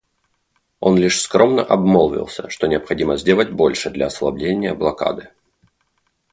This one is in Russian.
Он лишь скромно обмолвился, что необходимо сделать больше для ослабления блокады.